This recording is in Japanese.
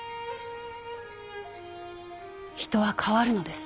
人は変わるのです。